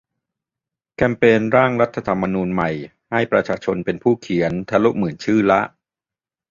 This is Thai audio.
แคมเปญ "ร่างรัฐธรรมนูญใหม่ ให้ประชาชนเป็นผู้เขียน" ทะลุหมื่นชื่อละ